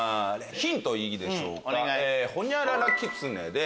ヒントいいでしょうか。